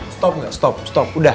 stop nggak stop stop udah